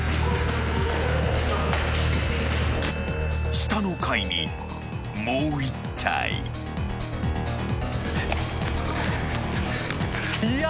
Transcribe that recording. ［下の階にもう１体］いや。